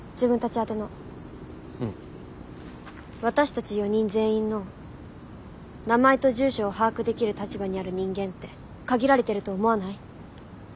私たち４人全員の名前と住所を把握できる立場にある人間って限られてると思わない？